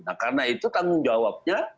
nah karena itu tanggung jawabnya